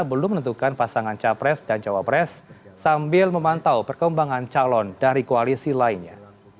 belum menentukan pasangan capres dan cawapres sambil memantau perkembangan calon dari koalisi lainnya